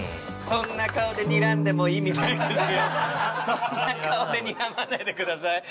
そんな顔でにらまないでください。